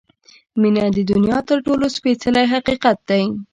• مینه د دنیا تر ټولو سپېڅلی حقیقت دی.